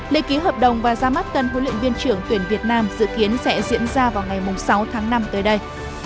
lễ ký hợp đồng và ra mắt tân huấn luyện viên trưởng tuyển việt nam dự kiến sẽ diễn ra vào ngày sáu tháng năm tới đây